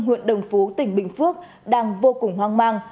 huyện đồng phú tỉnh bình phước đang vô cùng hoang mang